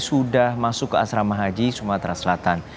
sudah masuk ke asrama haji sumatera selatan